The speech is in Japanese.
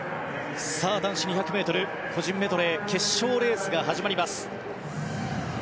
男子２００ｍ個人メドレー決勝レースが始まります。